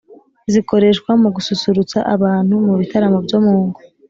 zikoreshwa mu gususurutsa abantu mu bitaramo byo mu ngo.